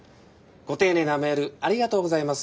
ご丁寧なメールありがとうございます。